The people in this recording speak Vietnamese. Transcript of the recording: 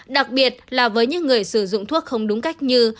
đặc biệt là với những người sử dụng thuốc không đúng cách như